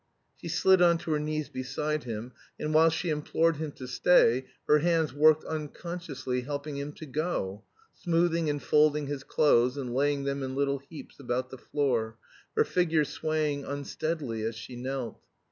She slid on to her knees beside him; and while she implored him to stay, her hands worked unconsciously, helping him to go smoothing and folding his clothes, and laying them in little heaps about the floor, her figure swaying unsteadily as she knelt.